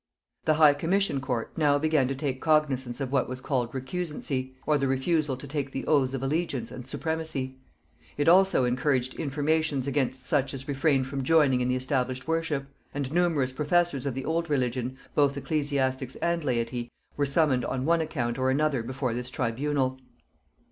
The High Commission court now began to take cognisance of what was called recusancy, or the refusal to take the oaths of allegiance and supremacy; it also encouraged informations against such as refrained from joining in the established worship; and numerous professors of the old religion, both ecclesiastics and laity, were summoned on one account or other before this tribunal.